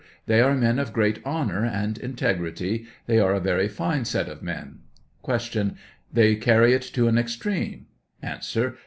They are men of great honor and integrity; they are a very fine set of men. Q. They carry it to an extreme